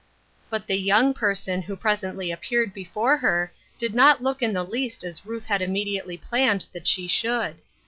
But the "young person " who presently appeared before her did not look in the least as Ruth had immediately planned that she should.